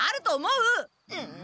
うん！